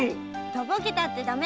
とぼけたってダメ！